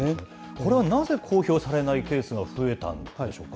これはなぜ公表されないケースが増えたんでしょうか。